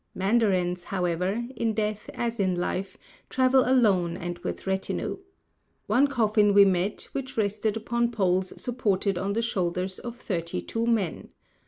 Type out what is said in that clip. Mandarins, however, in death as in life, travel alone and with retinue. One coffin we met which rested upon poles supported on the shoulders of thirty two men.